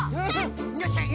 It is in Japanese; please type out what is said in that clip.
よっしゃ！